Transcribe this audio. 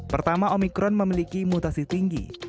pertama omikron memiliki mutasi tinggi